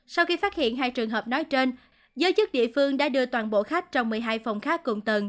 sau khi phát hiện hai trường hợp nói trên giới chức địa phương đã đưa toàn bộ khách trong một mươi hai phòng khác cùng tầng